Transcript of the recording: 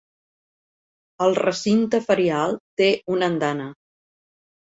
El recinte ferial té una andana.